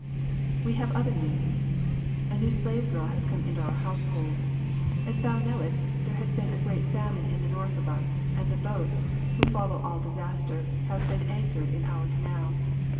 We have other news. A new slave girl has come into our household. As thou knowest, there has been a great famine to the north of us, and the boats, who follow all disaster, have been anchored in our canal.